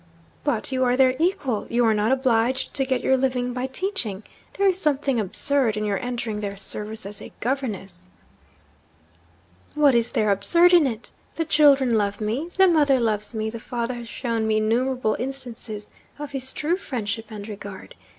'But you are their equal; you are not obliged to get your living by teaching. There is something absurd in your entering their service as a governess!' 'What is there absurd in it? The children love me; the mother loves me; the father has shown me innumerable instances of his true friendship and regard.